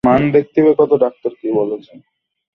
Doctor কী বলছে?